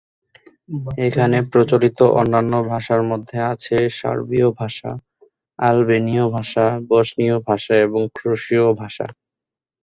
এখানে প্রচলিত অন্যান্য ভাষার মধ্যে আছে সার্বীয় ভাষা, আলবেনীয় ভাষা, বসনীয় ভাষা এবং ক্রোয়েশীয় ভাষা।